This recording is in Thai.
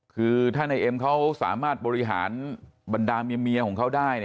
คือถ้านายเอ็มเขาสามารถบริหารบรรดาเมียของเขาได้